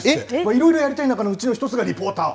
いろいろやりたい中のうちの１つがリポーター。